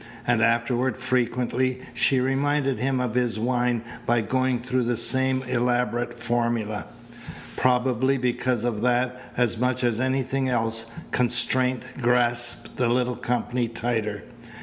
And afterward frequently she reminded him of his wine by going through the same elaborate formula. Probably because of that, as much as anything else, constraint grasped the little company tighter.